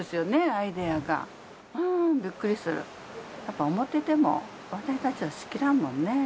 アイデアがうんビックリするやっぱ思ってても私たちはしきらんもんね